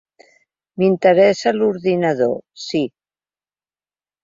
M'interessa l'ordinador, si.